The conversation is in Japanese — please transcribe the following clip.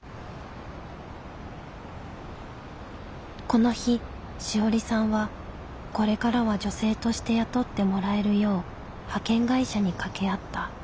この日志織さんはこれからは女性として雇ってもらえるよう派遣会社に掛け合った。